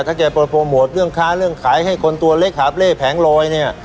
ถ้าแกโปรโมทเรื่องค้าเรื่องขายให้คนตัวเล็กหาบเล่แผงลอยเนี่ย